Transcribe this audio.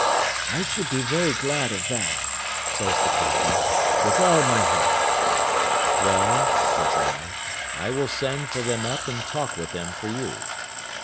"I should be very glad of that," says the captain, "with all my heart." "Well," says I, "I will send for them up and talk with them for you."